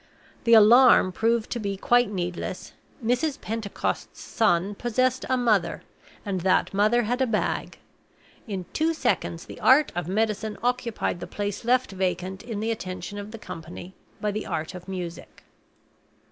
The alarm proved to be quite needless. Mrs. Pentecost's son possessed a mother, and that mother had a bag. In two seconds the art of medicine occupied the place left vacant in the attention of the company by the art of music.